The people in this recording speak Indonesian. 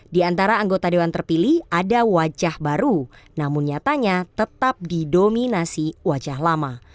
di antara anggota dewan terpilih ada wajah baru namun nyatanya tetap didominasi wajah lama